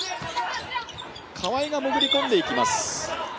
川井が潜り込んでいきます。